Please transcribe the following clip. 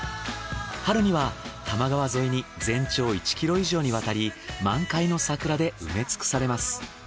春には多摩川沿いに全長１キロ以上にわたり満開の桜で埋め尽くされます。